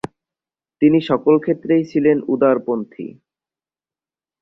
তিনি সকল ক্ষেত্রেই ছিলেন উদারপন্থী।